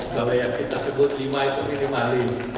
kalau yang kita sebut lima itu minimalis